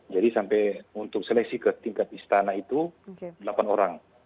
jadi sampai untuk seleksi ke tingkat istana itu delapan orang